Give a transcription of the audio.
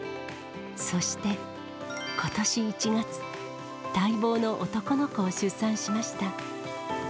そして、ことし１月、待望の男の子を出産しました。